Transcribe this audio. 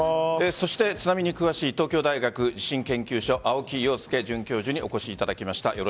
そして津波に詳しい東京大学地震研究所青木陽介准教授にお越しいただきました。